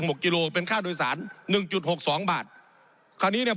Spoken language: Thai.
ผมอภิปรายเรื่องการขยายสมภาษณ์รถไฟฟ้าสายสีเขียวนะครับ